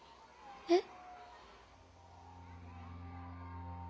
えっ。